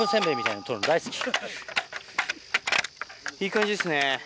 いい感じですね。